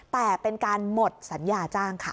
แต่เป็นการหมดสัญญาจ้างค่ะ